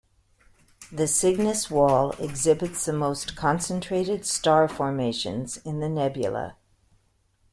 The Cygnus Wall exhibits the most concentrated star formations in the nebula.